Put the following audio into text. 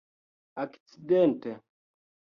akcidente